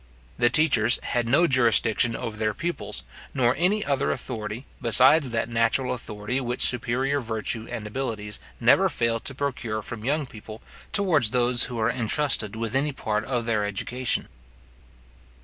The teachers had no jurisdiction over their pupils, nor any other authority besides that natural authority which superior virtue and abilities never fail to procure from young people towards those who are entrusted with any part of their education.